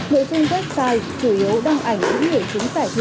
người chung website chủ yếu đăng ảnh những người trúng giải thưởng để tạo nhầm tin